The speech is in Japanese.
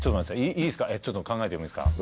いいすかちょっと考えてもいいっすか